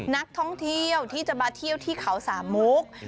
นักท่องเที่ยวที่จะมาเที่ยวที่เขาสามมุก